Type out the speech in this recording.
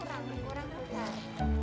ini kurang besar